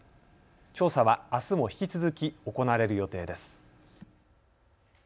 調査はあすも引き続き行われる予定です。